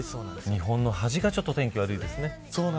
日本の端がちょっと天気悪いですね。